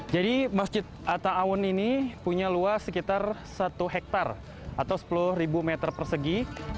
jadi masjid atta awun ini punya luas sekitar satu hektare atau sepuluh ribu meter persegi